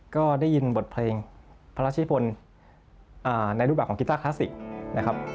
ก็ได้ยินบทเพลงพระราชนิพลในรูปแบบของกีต้าคลาสสิกนะครับ